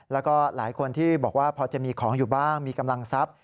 แล้วก็หลายคนที่บอกว่าพอจะมีของอยู่บ้างมีกำลังทรัพย์